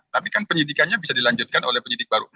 tapi kan penyidikannya bisa dilanjutkan oleh penyidik baru